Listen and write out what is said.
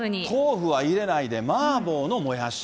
豆腐は入れないで、麻婆のもやし。